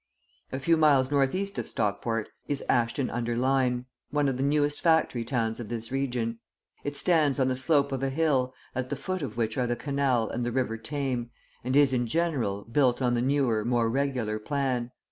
A few miles north east of Stockport is Ashton under Lyne, one of the newest factory towns of this region. It stands on the slope of a hill at the foot of which are the canal and the river Tame, and is, in general, built on the newer, more regular plan.